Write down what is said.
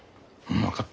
分かった。